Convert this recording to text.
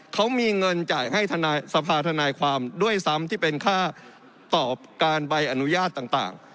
เขามีเงินจ่ายให้สภาธนายความด้วยซ้ำที่เป็นค่าตอบการใบอนุญาตต่าง